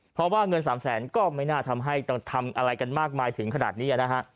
เพราะว่าเงิน๓แสนก็ไม่น่าทำให้ต้องทำอะไรกันมากมายถึงขนาดนี้นะฮะ